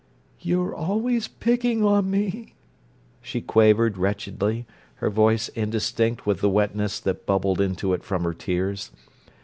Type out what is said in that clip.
"You're always picking on me," she quavered wretchedly, her voice indistinct with the wetness that bubbled into it from her tears.